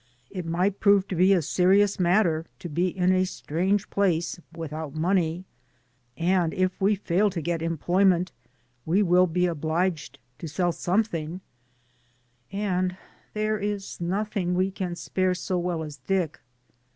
It might prove to be a serious matter to be in a strange place without money, and if we fail to get em ployment we will be obliged to sell some thing, and there is nothing we can spare so well as Dick.